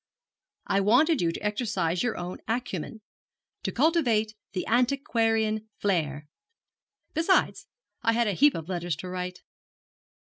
'I wanted you to exercise your own acumen, to cultivate the antiquarian flair. Besides, I had a heap of letters to write.'